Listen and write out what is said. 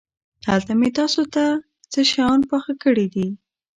هلته مې تاسو ته څه شيان پاخه کړي دي.